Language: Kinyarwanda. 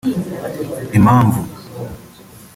Impamvu